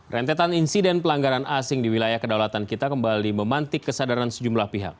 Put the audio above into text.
rentetan insiden pelanggaran asing di wilayah kedaulatan kita kembali memantik kesadaran sejumlah pihak